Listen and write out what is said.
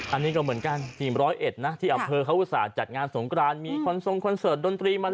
อันนี้ก็เหมือนกันที่๑๐๑นะที่อำเภอเขาอุตส่าห์จัดงานสงกรานมีคนทรงคอนเสิร์ตดนตรีมา